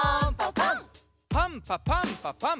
パンパパンパパン！